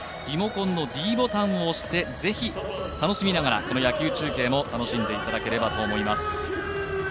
リモコンのｄボタンを押してぜひ楽しみながらこの野球中継も楽しんでいただければと思います。